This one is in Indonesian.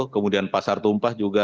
kemudian pasar tumpah juga